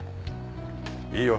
いいよ。